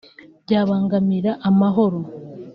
byabangamira amahoro